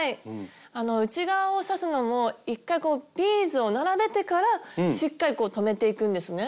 あの内側を刺すのも１回こうビーズを並べてからしっかりこう留めていくんですね。